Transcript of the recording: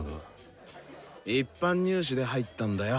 一般入試で入ったんだよ。